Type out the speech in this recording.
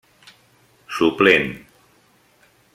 Suplent: